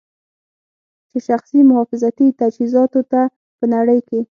چې شخصي محافظتي تجهیزاتو ته په نړۍ کې